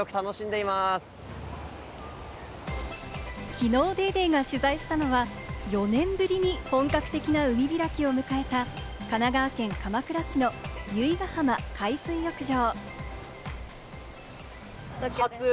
きのう『ＤａｙＤａｙ．』が取材したのは、４年ぶりに本格的な海開きを迎えた神奈川県鎌倉市の由比ガ浜海水浴場。